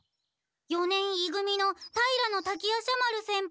四年い組の平滝夜叉丸先輩は。